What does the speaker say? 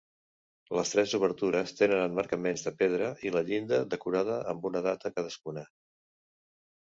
Les tres obertures tenen emmarcaments de pedra i la llinda decorada amb una data cadascuna.